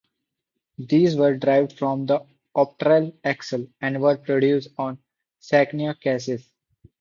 These were derived from the Optare Excel, and were produced on Scania chassis.